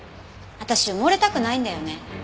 私埋もれたくないんだよね。